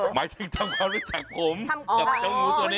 หมายถึงทำความรู้จักผม